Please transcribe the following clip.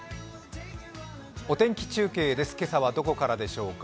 お天気中継です、今朝はどこからでしょうか。